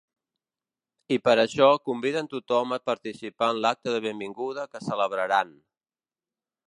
I per això conviden tothom a participar en l’acte de benvinguda que celebraran.